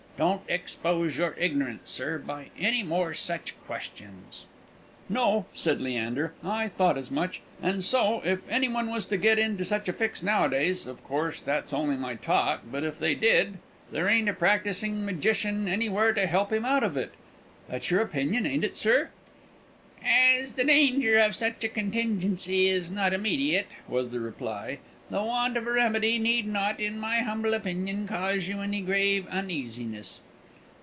Don't expose your ignorance, sir, by any more such questions." "No," said Leander; "I thought as much. And so, if any one was to get into such a fix nowadays of course, that's only my talk, but if they did there ain't a practising magician anywhere to help him out of it. That's your opinion, ain't it, sir?" "As the danger of such a contingency is not immediate," was the reply, "the want of a remedy need not, in my humble opinion, cause you any grave uneasiness."